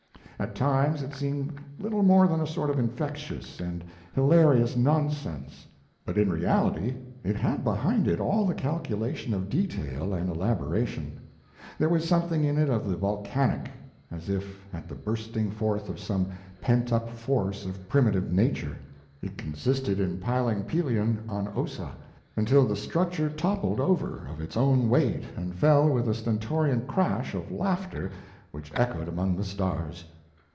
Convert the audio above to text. At times it seemed little more than a sort of infectious and hilarious nonsense; but in reality it had behind it all the calculation of detail and elaboration. There was something in it of the volcanic, as if at the bursting forth of some pentup force of primitive nature. It consisted in piling Pelion on Ossa, until the structure toppled over of its own weight and fell with a stentorian crash of laughter which echoed among the stars.